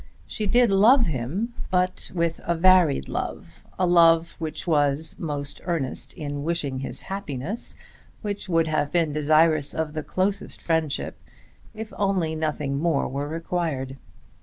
She did love him, but with a varied love, a love which was most earnest in wishing his happiness, which would have been desirous of the closest friendship if only nothing more were required.